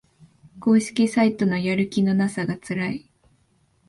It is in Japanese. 公式サイトのやる気のなさがつらい